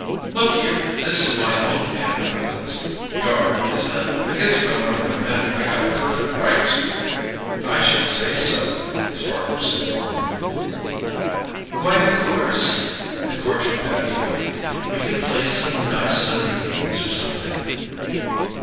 "Look here; this is my own aunt and uncle's yard, isn't it? I guess if I want to come in it I got a perfect right to." "I should say so," his partner said warmly. "Why, of course!" the cordial Patty agreed. "We can play some nice Sunday games, or something.